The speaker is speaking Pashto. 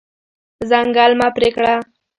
ځنګل مه پرې کړه.